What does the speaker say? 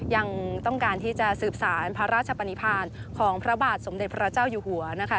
ยังต้องการที่จะสืบสารพระราชปนิพานของพระบาทสมเด็จพระเจ้าอยู่หัวนะคะ